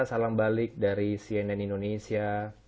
salam balik dari cnn indonesia